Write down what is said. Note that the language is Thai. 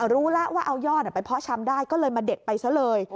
รู้แล้วว่าเอายอดไปเพาะชำได้ก็เลยมาเด็ดไปซะเลย